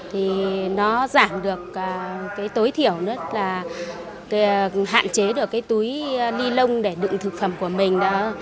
thì nó giảm được tối thiểu hạn chế được túi ni lông để đựng thực phẩm của mình